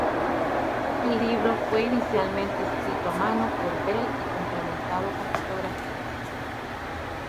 El libro fue inicialmente escrito a mano por Bell y complementado con fotografías.